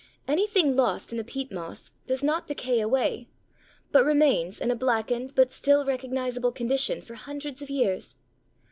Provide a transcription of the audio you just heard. Anything lost in a peat moss does not decay away, but remains in a blackened but still recognizable condition for hundreds of years.